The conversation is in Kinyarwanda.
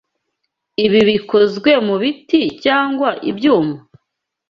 Ibi bikozwe mubiti cyangwa ibyuma?